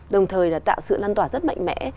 đồng thời là tạo sự lan tỏa rất mạnh mẽ